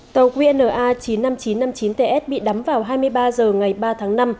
tàu qna chín mươi năm nghìn chín trăm năm mươi chín ts bị đắm vào hai mươi ba h ngày ba tháng năm